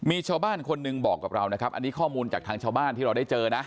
มีชาวบ้านคนหนึ่งบอกกับเรานะครับอันนี้ข้อมูลจากทางชาวบ้านที่เราได้เจอนะ